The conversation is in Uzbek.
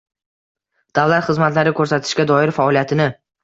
davlat xizmatlari ko‘rsatishga doir faoliyatini